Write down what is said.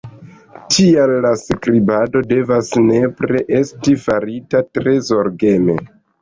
Tial la skribado devas nepre esti farita tre zorgeme.